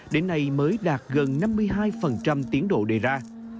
đến nay mới đạt gần năm mươi hai tiến độ đề ra